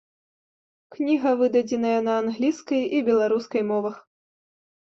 Кніга выдадзеная на англійскай і беларускай мовах.